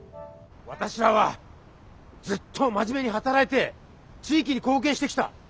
私らはずっと真面目に働いて地域に貢献してきた。